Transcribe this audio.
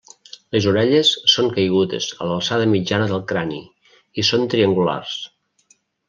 Les orelles són caigudes a l'alçada mitjana del crani i són triangulars.